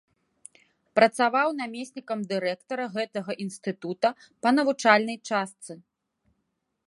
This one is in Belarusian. Працаваў намеснікам дырэктара гэтага інстытута па навучальнай частцы.